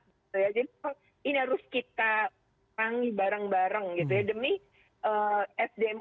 kita tangi bareng bareng demi sdm